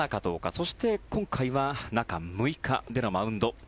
そして今回は中６日でのマウンド。